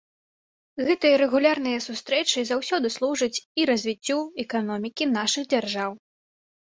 Гэтыя рэгулярныя сустрэчы заўсёды служаць і развіццю эканомікі нашых дзяржаў.